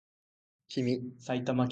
君